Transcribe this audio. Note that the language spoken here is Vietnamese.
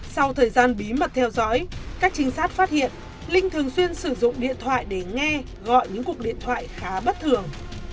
sau thời gian bí mật theo dõi các trinh sát phát hiện linh thường xuyên sử dụng điện thoại để nghe gọi những cuộc điện thoại khá bất thường